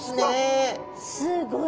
すごい！